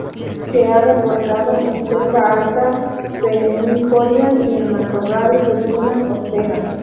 Se ha reportado en selva alta perennifolia y en matorral de duna costera.